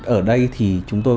ở đây thì chúng tôi